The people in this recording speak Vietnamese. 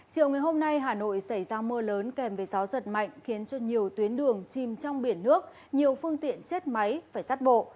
chiều ngày hôm nay hà nội xảy ra mưa lớn kèm với gió giật mạnh khiến cho nhiều tuyến đường chìm trong biển nước nhiều phương tiện chết máy phải sát bộ